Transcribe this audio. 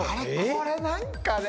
これ何かね。